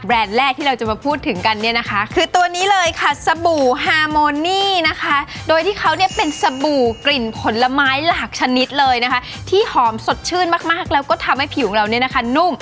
แรกที่เราจะมาพูดถึงกันเนี่ยนะคะคือตัวนี้เลยค่ะสบู่ฮาโมนี่นะคะโดยที่เขาเนี่ยเป็นสบู่กลิ่นผลไม้หลากชนิดเลยนะคะที่หอมสดชื่นมากมากแล้วก็ทำให้ผิวของเราเนี่ยนะคะนุ่ม